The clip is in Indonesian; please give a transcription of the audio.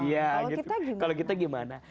kalau kita gimana